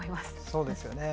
そうですよね。